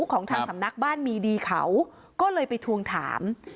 ของทางสำนักบ้านมีดีเขาก็เลยไปทวงถาม